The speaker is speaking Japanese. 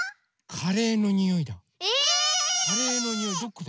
⁉カレーのにおいどこだ？